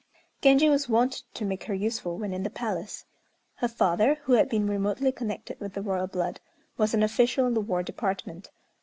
Genji was wont to make her useful when in the palace. Her father, who had been remotely connected with the Royal blood, was an official in the War Department.